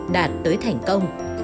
đạt tới thành công